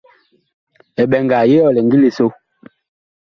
Eɓɛnga ye ɔ lɛ ngili so.